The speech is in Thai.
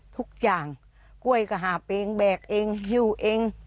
ทุกอย่างกล้วยก็หาเองแบกเองหิ้วเอง